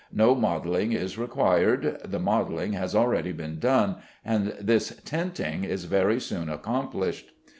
No modelling is required; the modelling has already been done, and this tinting is very soon accomplished.